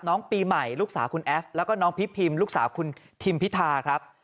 น้องปีใหม่ลูกสาวคุณแอฟแล้วก็น้องพิพิมลูกสาวคุณทิมพิธาครับ